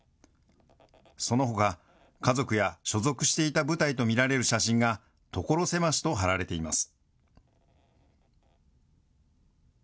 そのほか、家族や所属していた部隊と見られる写真が、所狭しと貼られています。